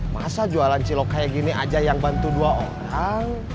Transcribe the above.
masa jualan cilok kayak gini aja yang bantu dua orang